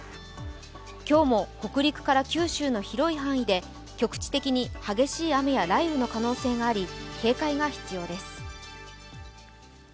今日も北陸から九州の広い範囲で局地的に激しい雨や雷雨の可能性があり、警戒が必要です。